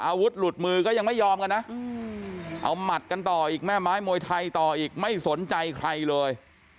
อาวุธหลุดมือก็ยังไม่ยอมกันนะเอาหมัดกันต่ออีกแม่ไม้มวยไทยต่ออีกไม่สนใจใครเลย